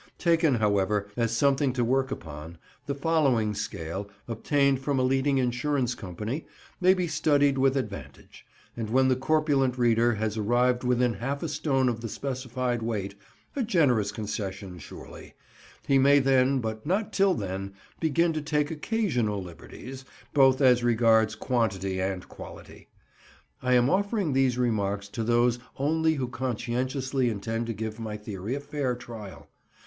Taken, however, as something to work upon, the following scale, obtained from a leading insurance company, may be studied with advantage; and when the corpulent reader has arrived within half a stone of the specified weight—a generous concession surely—he may then, but not till then, begin to take occasional liberties, both as regards quantity and quality. I am offering these remarks to those only who conscientiously intend to give my theory a fair trial.